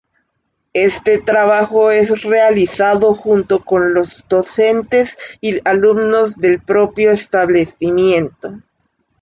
Este trabajo es realizado junto con los docentes y alumnos del propio establecimiento.